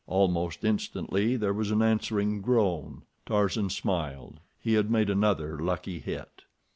Almost instantly there was an answering groan. Tarzan smiled. He had made another lucky hit.